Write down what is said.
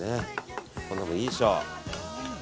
こんなもんでいいでしょう。